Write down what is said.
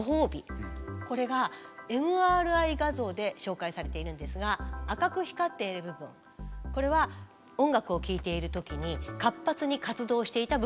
これがＭＲＩ画像で紹介されているんですが赤く光っている部分これは音楽を聴いている時に活発に活動していた部分です。